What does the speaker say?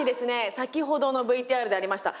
先ほどのＶＴＲでありました